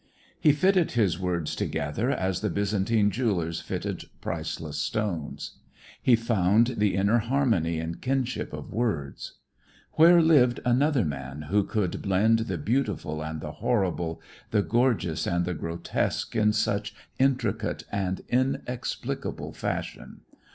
He fitted his words together as the Byzantine jewelers fitted priceless stones. He found the inner harmony and kinship of words. Where lived another man who could blend the beautiful and the horrible, the gorgeous and the grotesque in such intricate and inexplicable fashion?